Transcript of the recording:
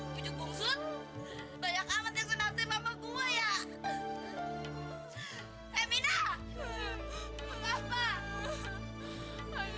banyak amat yang senang teman gue ya